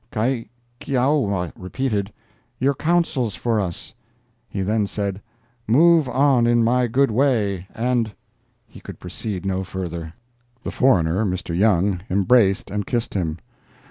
Kaikiowa repeated, 'Your counsels for us.' He then said, 'Move on in my good way and—.' He could proceed no further. The foreigner, Mr. Young, embraced and kissed him.